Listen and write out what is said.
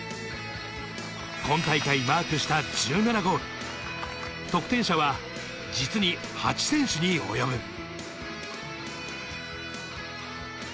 今大会マークした１７ゴール、得点者は実に８選手に及ぶ。